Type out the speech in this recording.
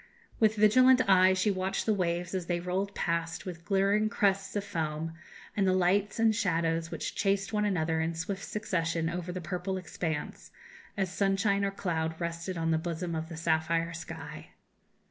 With vigilant eye she watched the waves as they rolled past with glittering crests of foam, and the lights and shadows which chased one another in swift succession over the purple expanse, as sunshine or cloud rested on the bosom of the sapphire sky.